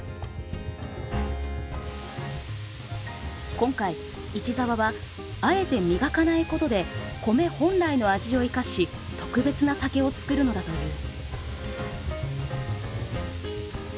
今回市澤はあえて磨かないことでコメ本来の味を生かし特別な酒を造るのだという。